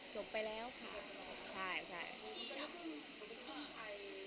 จบไปแล้วค่ะใช่ใช่